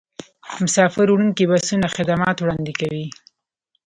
مسافروړونکي بسونه خدمات وړاندې کوي